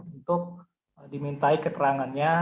untuk dimintai keterangannya